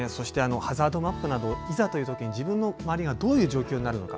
ハザードマップなどいざというとき自分の周りがどういう状況になるのか